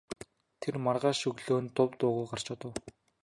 Тэр маргааш өглөө нь дув дуугүй гарч одов.